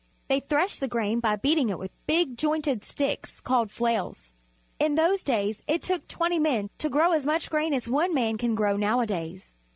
They threshed the grain by beating it with big, jointed sticks called flails. In those days it took twenty men to grow as much grain as one man can grow nowadays.